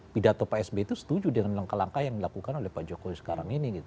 pidato pak sby itu setuju dengan langkah langkah yang dilakukan oleh pak jokowi sekarang ini